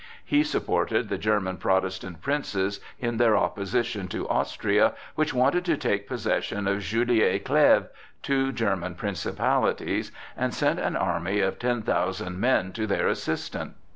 He supported the German Protestant princes in their opposition to Austria, which wanted to take possession of Juliers Cleves, two German principalities, and sent an army of ten thousand men to their assistance.